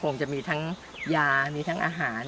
จะมีทั้งยามีทั้งอาหาร